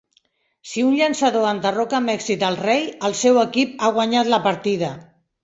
Si un llançador enderroca amb èxit el rei, el seu equip ha guanyat la partida.